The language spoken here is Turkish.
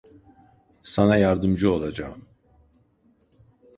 Sana yardımcı olacağım.